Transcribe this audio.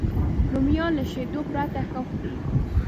رومیان له شیدو پرته ښه خوري